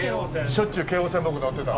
しょっちゅう京王線僕乗ってた。